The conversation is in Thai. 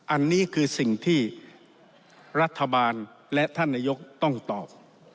อันนี้คือสิ่งที่รัฐบาลและท่านนายกต้องตอบ